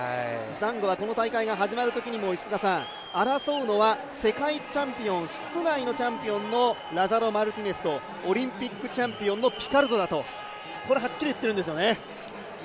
ザンゴはこの大会が始まるときには争うのは世界室内のチャンピオンのラザロ・マルティネスとオリンピックチャンピオンのピカルドだとはっきり言っているんですよね。